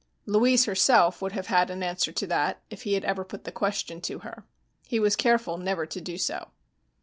Louise herself would have had an answer to that, if he had ever put the question to her. He was careful never to do so.